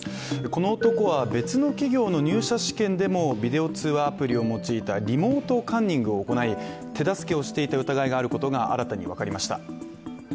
この男は別の企業の入社試験でもビデオ通話アプリを用いたリモートカンニングを行い手助けをしていた疑いがあることが新たに分かりました。